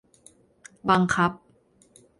บังคับ